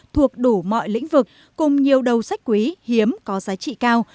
thuộc đủ mọi lĩnh vực cùng nhiều đầu sách quý hiếm có giá trị cao